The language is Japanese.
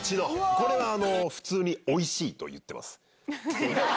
これは普通においしいと言ってます。